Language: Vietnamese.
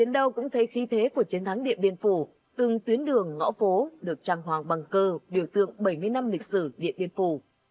điện biên phủ từng tuyến đường ngõ phố được trang hoàng bằng cơ biểu tượng bảy mươi năm lịch sử điện biên phủ